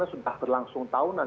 sudah berlangsung tahunan